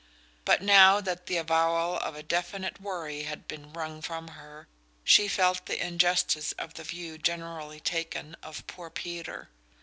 But now that the avowal of a definite worry had been wrung from her she felt the injustice of the view generally taken of poor Peter.